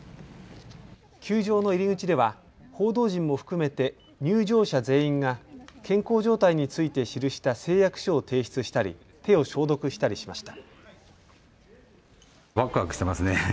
球場の入り口では報道陣も含めて入場者全員が健康状態について記した誓約書を提出したり手を消毒したりしました。